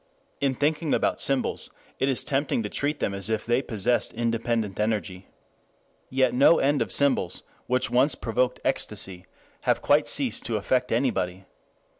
In thinking about symbols it is tempting to treat them as if they possessed independent energy. Yet no end of symbols which once provoked ecstasy have quite ceased to affect anybody.